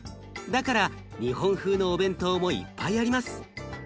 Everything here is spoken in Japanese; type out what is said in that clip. だから日本風のお弁当もいっぱいあります。